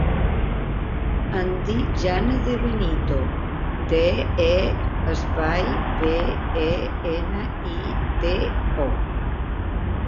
Em dic Jana De Benito: de, e, espai, be, e, ena, i, te, o.